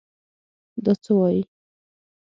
دا څه وايې.